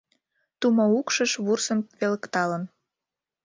Тумо укшыш вурсым велыкталын